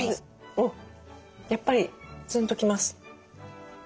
おっやっぱりツンと来ます。